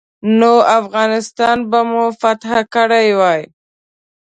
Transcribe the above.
نو افغانستان به مو فتح کړی وای.